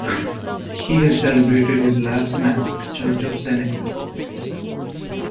He had celebrated his last Mass at the Church of the Cenacle.